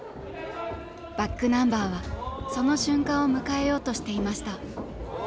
ｂａｃｋｎｕｍｂｅｒはその瞬間を迎えようとしていました。